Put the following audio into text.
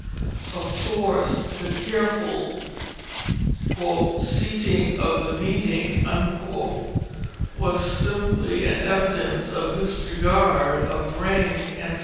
Of course the careful "seating of the meeting" was simply an evidence of this regard of rank and station.